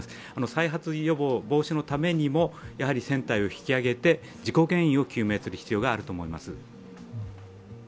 再発防止のためにも、やはり船体を引き揚げて事故原因を究明する必要があると思います。